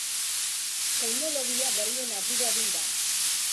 Teknologia berrien arduradun da.